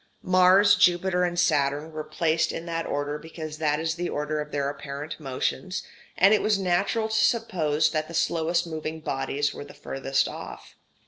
Mars, Jupiter, and Saturn were placed in that order because that is the order of their apparent motions, and it was natural to suppose that the slowest moving bodies were the furthest off.